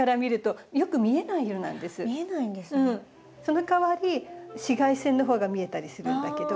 そのかわり紫外線の方が見えたりするんだけど。